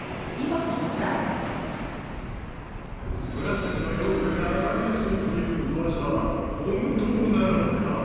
紫のヨーグルが当たりやすいという噂は本当なのか？